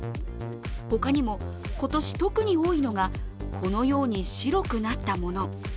ほかにも、今年特に多いのがこのように白くなったもの。